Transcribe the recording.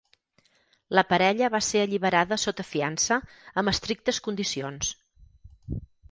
La parella va ser alliberada sota fiança amb estrictes condicions.